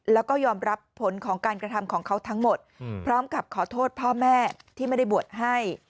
แล้วก็ยอมรับผลของการกระทำของเขาทั้งหมดพร้อมกับขอโทษพ่อแม่ที่ไม่ได้บวชให้